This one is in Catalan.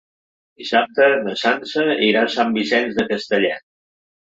Dissabte na Sança irà a Sant Vicenç de Castellet.